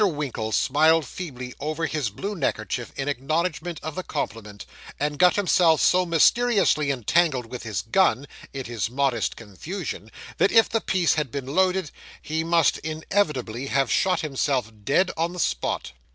Winkle smiled feebly over his blue neckerchief in acknowledgment of the compliment, and got himself so mysteriously entangled with his gun, in his modest confusion, that if the piece had been loaded, he must inevitably have shot himself dead upon the spot.